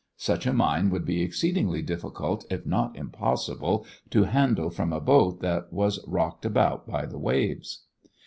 Such a mine would be exceedingly difficult if not impossible to handle from a boat that was rocked about by the waves.